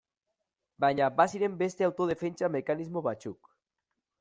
Baina baziren beste autodefentsa mekanismo batzuk.